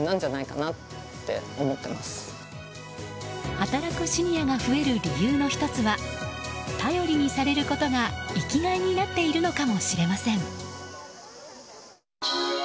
働くシニアが増える理由の１つは頼りにされることが生きがいになっているのかもしれません。